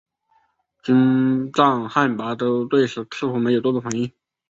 金帐汗拔都对此似乎没有作出反应。